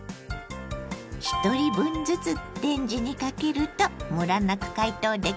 一人分ずつレンジにかけるとムラなく解凍できますよ。